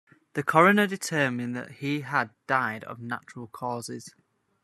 The coroner determined that he had died of natural causes.